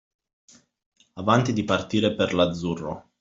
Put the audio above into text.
Avanti di partire per l’azzurro